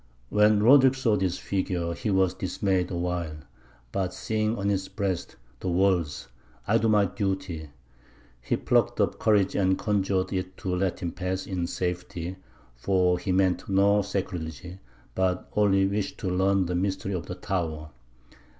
When Roderick saw this figure, he was dismayed awhile; but seeing on its breast the words, "I do my duty," he plucked up courage and conjured it to let him pass in safety, for he meant no sacrilege, but only wished to learn the mystery of the tower.